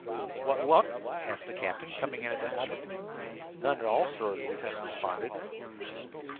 "What luck?" asked the captain, coming in at that moment. "None, sir, at all," the lieutenant responded.